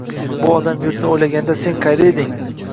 Bu odam yurtni o‘ylaganda sen qayda eding?!